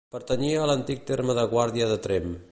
Pertanyia a l'antic terme de Guàrdia de Tremp.